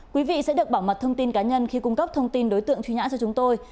quý vị sẽ được bảo mật thông tin cá nhân khi cung cấp thông tin đối tượng truy nã cho chúng tôi